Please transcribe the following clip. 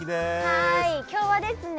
はい今日はですね